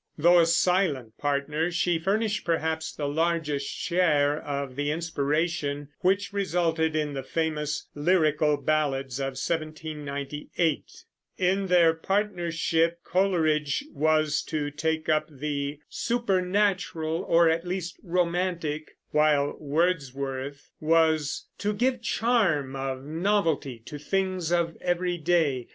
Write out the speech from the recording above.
Though a silent partner, she furnished perhaps the largest share of the inspiration which resulted in the famous Lyrical Ballads of 1798. In their partnership Coleridge was to take up the "supernatural, or at least romantic"; while Wordsworth was "to give the charm of novelty to things of everyday